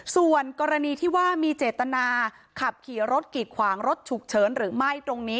ส่วนกรณีที่ว่ามีเจตนาขับขี่รถกีดขวางรถฉุกเฉินหรือไม่ตรงนี้